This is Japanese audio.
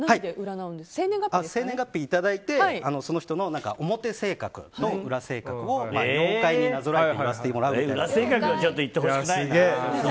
生年月日いただいてその人の表性格と裏性格を妖怪になぞらえて言わせてもらう。